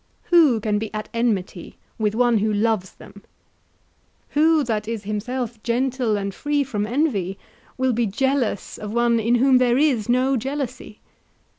Who can be at enmity with one who loves them, who that is himself gentle and free from envy will be jealous of one in whom there is no jealousy?